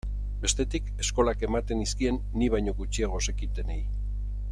Bestetik, eskolak ematen nizkien ni baino gutxiago zekitenei.